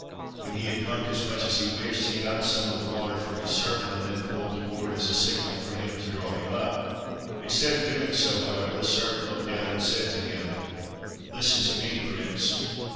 When he had drunk as much as he wished, he got some of the water for his servant, and then he pulled the cord as a signal for him to draw him up. Instead of doing so, however, the servant looked down and said to him— "Listen to me, prince.